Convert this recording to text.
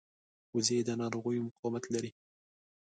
وزې د ناروغیو مقاومت لري